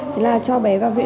thế là cho bé vào viện